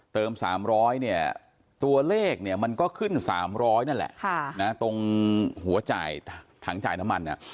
เติม๓๐๐ตัวเลขมันก็ขึ้น๓๐๐นั่นแหละตรงหัวจ่ายถังจ่ายน้ำมัน